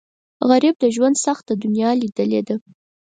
غریب د ژوند سخته دنیا لیدلې ده